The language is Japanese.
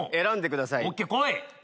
選んでください。